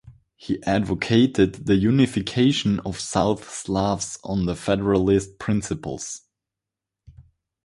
He advocated the unification of South Slavs on the federalist principles.